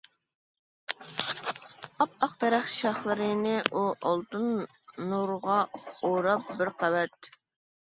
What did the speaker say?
ئاپئاق دەرەخ شاخلىرىنى ئۇ ئالتۇن نۇرغا ئوراپ بىر قەۋەت.